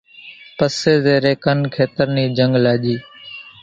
پسي زيرين ڪن کيتر ني جنگ لاڄي